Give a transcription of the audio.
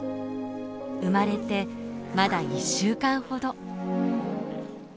生まれてまだ１週間ほど。